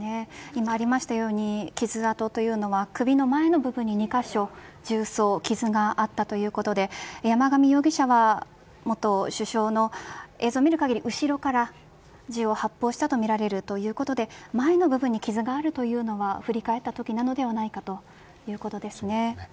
今ありましたように傷跡というのは首の前の部分に２カ所銃創、傷があったということで山上容疑者は元首相の映像を見る限り後ろから銃を発砲したとみられるということで前の部分に傷があるというのは振り返ったときなのではないかということですね。